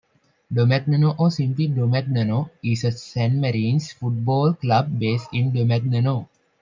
Domagnano or simply Domagnano, is a Sanmarinese football club, based in Domagnano.